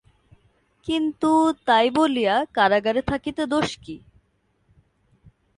কিন্তু তাই বলিয়া কারাগারে থাকিতে দোষ কী?